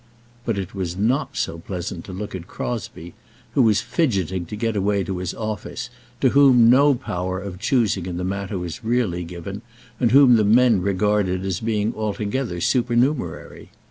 But it was not so pleasant to look at Crosbie, who was fidgeting to get away to his office, to whom no power of choosing in the matter was really given, and whom the men regarded as being altogether supernumerary.